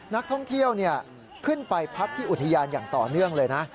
นักท่องเที่ยวขึ้นไปพักที่อุทยานอย่างต่อเนื่องเลยนะ